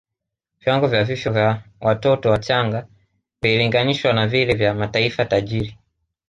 Viwango vya vifo vya watoto wachanga vililinganishwa na vile vya mataifa tajiri